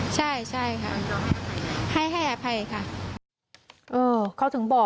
ใช่ใช่ค่ะให้ให้อภัยค่ะเออเขาถึงบอก